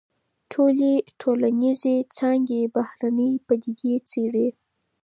ټولي ټولنيزي څانګي بهرنۍ پديدې څېړي.